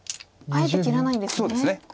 あえて切らないんですね。